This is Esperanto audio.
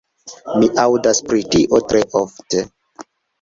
Mi aŭdas pri tio tre ofte.